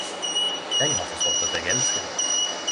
Dei har forstått at eg elskar deg.